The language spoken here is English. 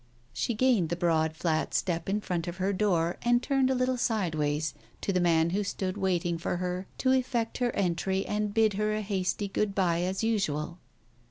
She gained the broad flat step in front of her door and turned a little sideways to the man who stood wait ing for her to effect her entry and bid her a hasty good bye as usual.